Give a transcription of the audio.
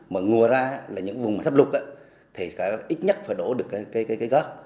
mà ngùa ra là những vùng sắp lục thì ít nhất phải đổ được cái gót